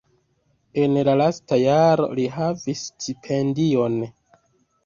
En la lasta jaro li havis stipendion.